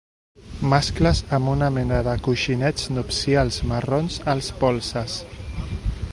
Mascles amb una mena de coixinets nupcials marrons als polzes.